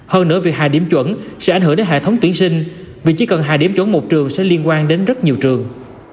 hơn nữa việc hạ điểm chuẩn sẽ ảnh hưởng đến hệ thống tuyển sinh vì chỉ cần hạ điểm chuẩn một trường sẽ liên quan đến rất nhiều trường